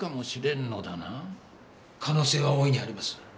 可能性は大いにあります。